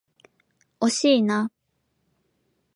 惜しいな。